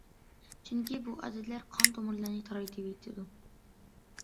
چۈنكى بۇ ئادەتلەر قان- تومۇرلارنى تارايتىۋېتىدۇ.